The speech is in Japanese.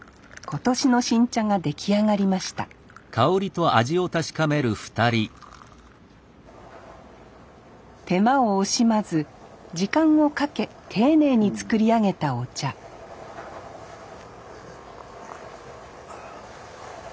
今年の新茶が出来上がりました手間を惜しまず時間をかけ丁寧に作り上げたお茶あ。